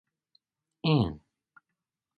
An.